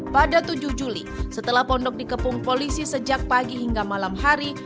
pada tujuh juli setelah pondok dikepung polisi sejak pagi hingga malam hari